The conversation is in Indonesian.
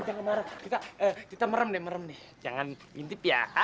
tita jangan marah tita jangan marah tita merem deh merem deh jangan bintip ya